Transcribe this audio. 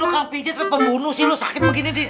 lo kan pijit tapi pembunuh sih lo sakit banget maek